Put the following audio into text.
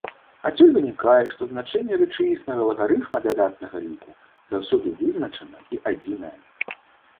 Адсюль вынікае, што значэнне рэчаіснага лагарыфма дадатнага ліку заўсёды вызначана і адзінае.